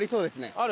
ある？